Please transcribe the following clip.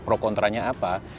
pro kontranya apa